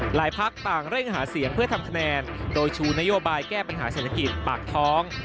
พักต่างเร่งหาเสียงเพื่อทำคะแนนโดยชูนโยบายแก้ปัญหาเศรษฐกิจปากท้อง